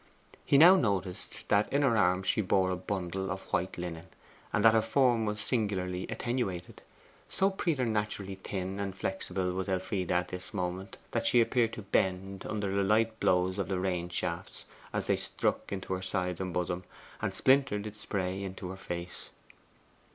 He now noticed that in her arms she bore a bundle of white linen, and that her form was singularly attenuated. So preternaturally thin and flexible was Elfride at this moment, that she appeared to bend under the light blows of the rain shafts, as they struck into her sides and bosom, and splintered into spray on her face.